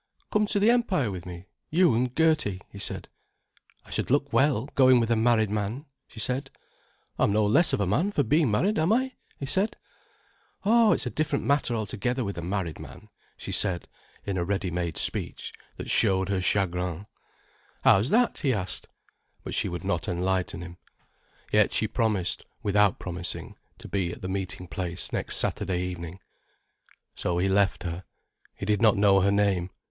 "Come to the Empire with me—you and Gertie," he said. "I should look well, going with a married man," she said. "I'm no less of a man for being married, am I?" he said. "Oh, it's a different matter altogether with a married man," she said, in a ready made speech that showed her chagrin. "How's that?" he asked. But she would not enlighten him. Yet she promised, without promising, to be at the meeting place next Saturday evening. So he left her. He did not know her name.